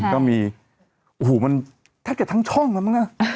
ก็มีออูหูมันแท็กกับทั้งช่องมามั้ง